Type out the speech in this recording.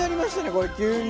これ急に。